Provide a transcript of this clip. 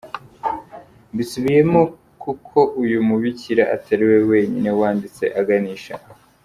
Mbisubiyemo kuko uyu mubikira atari we wenyine wanditse aganisha aho.